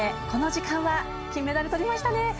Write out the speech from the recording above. この時間は金メダルとりましたね。